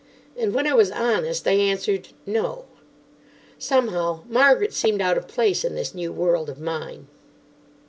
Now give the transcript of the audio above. And, when I was honest, I answered, No. Somehow Margaret seemed out of place in this new world of mine.